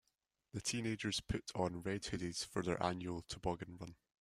The teenagers put on red hoodies for their annual toboggan run.